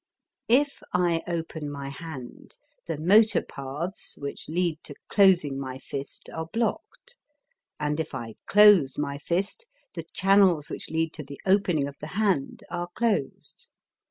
If I open my hand, the motor paths which lead to closing my fist are blocked; and if I close my fist, the channels which lead to the opening of the hand are closed.